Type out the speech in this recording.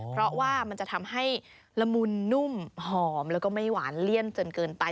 เพราะว่ามันจะทำให้ละมุนนุ่มหอมแล้วก็ไม่หวานเลี่ยนจนเกินไป